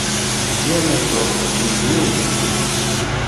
Yir lehduṛ, tekksen ddnub;